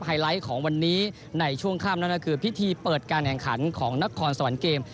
ไลท์ของวันนี้ในช่วงค่ำนั่นก็คือพิธีเปิดการแข่งขันของนครสวรรค์เกม